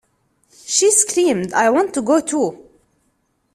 She screamed; "I want to go, too!"